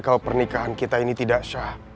kalau pernikahan kita ini tidak syah